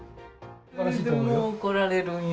怒られるんよ。